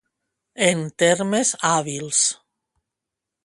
En termes hàbils.